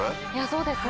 そうですね。